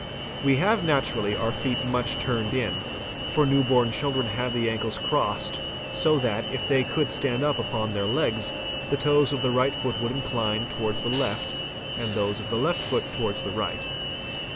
We have naturally our feet much turned in, for new born children have the ankles crossed, so that, if they could stand up upon their legs, the toes of the right foot would incline towards the left and those of the left foot towards the right.